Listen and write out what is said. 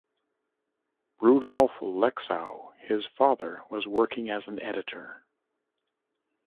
Rudolph Lexow, his father was working as an editor.